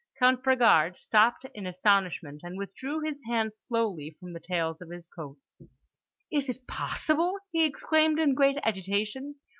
Count Bragard stopped in astonishment, and withdrew his hands slowly from the tails of his coat. "Is it possible!" he exclaimed, in great agitation.